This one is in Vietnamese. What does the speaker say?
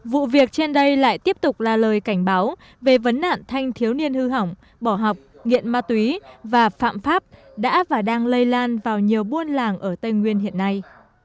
vụ việc trên đây lại tiếp tục là lời cảnh báo về vấn nạn thanh thiếu niên hư hỏng bỏ học nghiện ma túy và phạm pháp đã và đang lây lan vào nhiều buôn làng ở tây nguyên hiện nay